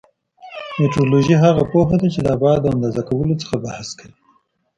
مټرولوژي هغه پوهه ده چې د ابعادو اندازه کولو څخه بحث کوي.